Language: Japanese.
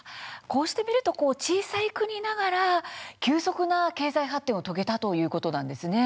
こうして見ると小さい国ながら急速な経済発展を遂げたということなんですね。